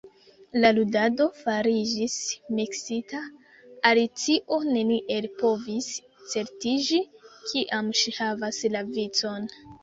La ludado fariĝis miksita, Alicio neniel povis certiĝi kiam ŝi havas la vicon.